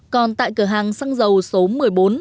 còn tại cửa hàng xăng dầu số một mươi bốn